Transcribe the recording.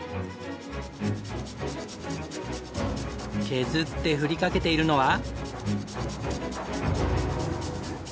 削って振りかけているのは。